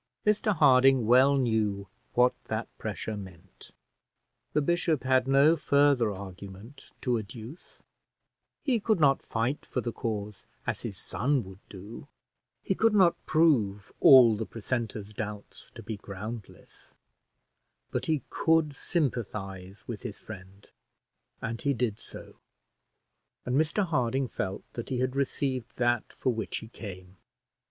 Mr Harding well knew what that pressure meant. The bishop had no further argument to adduce; he could not fight for the cause as his son would do; he could not prove all the precentor's doubts to be groundless; but he could sympathise with his friend, and he did so; and Mr Harding felt that he had received that for which he came.